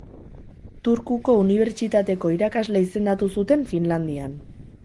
Turkuko Unibertsitateko irakasle izendatu zuten, Finlandian.